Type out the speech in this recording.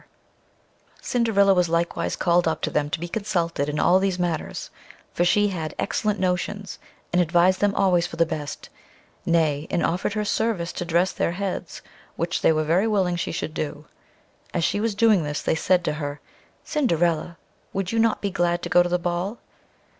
] [Illustration: "ANY ONE BUT CINDERILLA WOULD HAVE DRESSED THEIR HEADS AWRY"] Cinderilla was likewise called up to them to be consulted in all these matters, for she had excellent notions, and advised them always for the best, nay and offered her service to dress their heads, which they were very willing she should do. As she was doing this, they said to her: "Cinderilla, would you not be glad to go to the ball?"